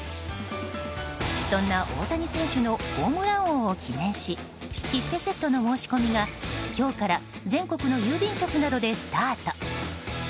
そんな大谷選手のホームラン王を記念し切手セットの申し込みが今日から全国の郵便局などでスタート。